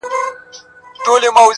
زه خو يو خوار او يو بې وسه انسان~